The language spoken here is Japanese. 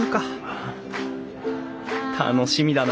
楽しみだな